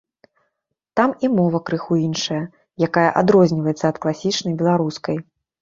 Там і мова крыху іншая, якая адрозніваецца ад класічнай беларускай.